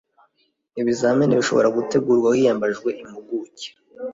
ibizamini bishobora gutegurwa hiyambajwe impuguke